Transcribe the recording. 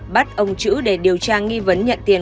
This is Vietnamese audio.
bắt ông chữ để điều tra nghi vấn nhận tiền